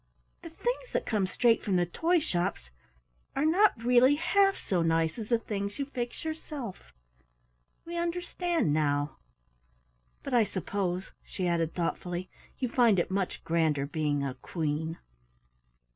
The things that come straight from the toy shops are not really half so nice as the things you fix yourself we understand now. But I suppose," she added thoughtfully, "you find it much grander being a Queen?"